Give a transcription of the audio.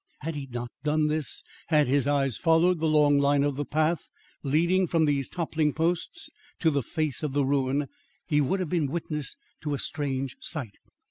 Had he not done this had his eyes followed the long line of the path leading from these toppling posts to the face of the ruin, he would have been witness to a strange sight.